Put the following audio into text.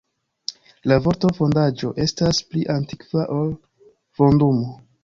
La vorto "fondaĵo" estas pli antikva ol "fondumo".